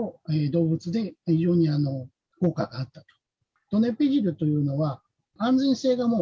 動物で非常に効果があったと。